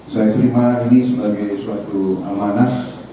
saya terima ini sebagai suatu amanah